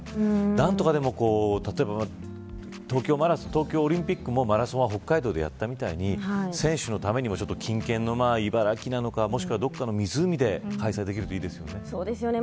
何とかでも、例えば東京オリンピックもマラソンは北海道でやったみたいに選手のためにも近県の茨城なのかもしくは、どこかの湖で開催できるといいですよね。